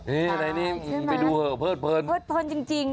นี่ในนี้ไปดูเหอะเพิร์ตเพิร์นเพิร์ตเพิร์นจริงแล้ว